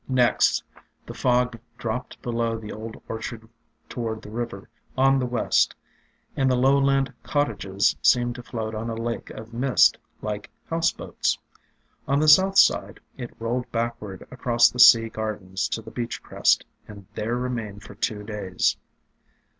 Next, the fog dropped below the old orchard toward the river, on the west, and the lowland cottages seemed to float on a lake of mist, like house boats. On the south side it rolled back ward across the Sea Gardens to the beach crest, and there remained for two days.